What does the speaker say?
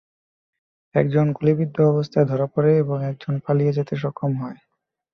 একজন গুলিবিদ্ধ অবস্থায় ধরা পড়ে এবং একজন পালিয়ে যেতে সক্ষম হয়।